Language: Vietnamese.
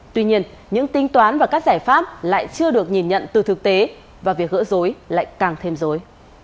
tuy nhiên những tính toán và các giải pháp lại chưa được nhìn nhận từ thực tế và việc gỡ dối lại càng thêm rối